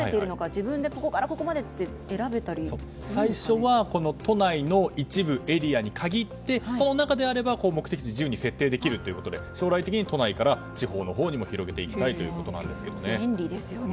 自分でここからここまでって最初は都内の一部エリアに限ってその中であれば目的地自由に設定できるということで将来的に都内から地方のほうにも便利ですよね。